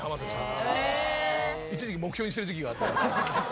一時期目標にしてる時期があって。